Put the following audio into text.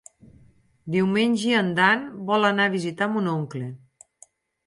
Diumenge en Dan vol anar a visitar mon oncle.